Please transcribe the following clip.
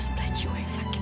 sebelah jiwa yang sakit